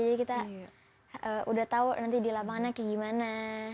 jadi kita udah tau nanti di lapangannya kayak gimana